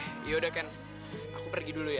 yaudah deh yaudah ken aku pergi dulu ya